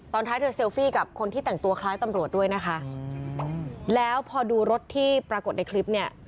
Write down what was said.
ท้ายเธอเซลฟี่กับคนที่แต่งตัวคล้ายตำรวจด้วยนะคะแล้วพอดูรถที่ปรากฏในคลิปเนี่ย